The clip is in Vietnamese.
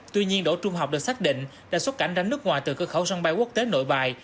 tuy nhiên đỗ trung học được xác định đã xuất cảnh ranh nước ngoài từ cơ khẩu sân bay quốc tế nội bài